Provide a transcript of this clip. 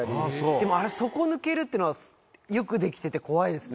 でもあれ底抜けるっていうのはよくできてて怖いですね。